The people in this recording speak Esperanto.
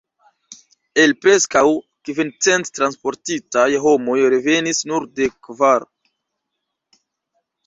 El preskaŭ kvin cent transportitaj homoj revenis nur dek kvar.